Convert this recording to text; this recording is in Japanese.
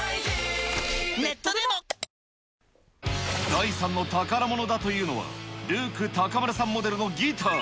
大さんの宝物だというのは、ルーク篁さんモデルのギター。